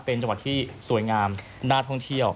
เป็นจังหวัดที่สวยงามน่าท่องเที่ยว